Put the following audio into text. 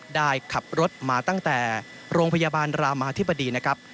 ได้ขับรถมาตั้งแต่โรงพยาบาลรามาธิบดีนะครับ